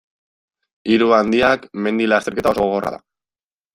Hiru handiak mendi-lasterketa oso gogorra da.